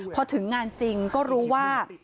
พอถึงงานจริงก็รู้ว่า